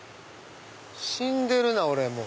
死んでるな俺。